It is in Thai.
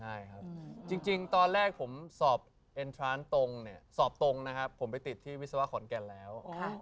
ใช่ครับจริงตอนแรกผมสอบเอ็นทรานตรงเนี่ยสอบตรงนะครับผมไปติดที่วิศวะขอนแก่นแล้ว